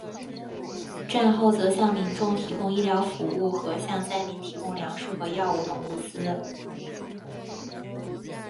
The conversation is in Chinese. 战后则向民众提供医疗服务和向灾民提供粮食和药物等物资。